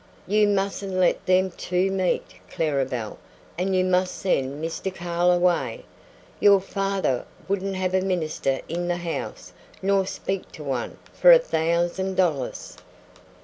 "You mustn't let them two meet, Clara Belle, and you must send Mr. Carll away; your father wouldn't have a minister in the house, nor speak to one, for a thousand dollars!"